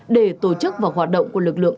để tổ chức và hoạt động của lực lượng